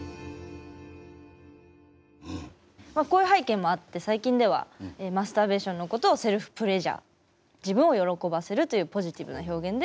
こういう背景もあって最近ではマスターベーションのことをセルフプレジャー自分を喜ばせるというポジティブな表現で広めていると。